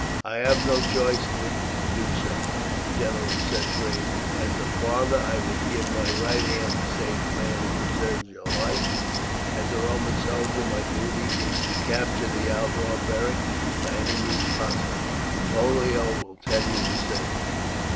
"I have no choice but to do so," the general said gravely. "As a father I would give my right hand to save the man who preserved your life; as a Roman soldier my duty is to capture the outlaw, Beric, by any means possible. Pollio will tell you the same."